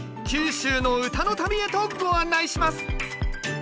九州の唄の旅へとご案内します。